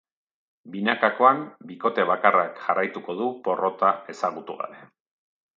Binakakoan, bikote bakarrak jarraituko du porrota ezagutu gabe.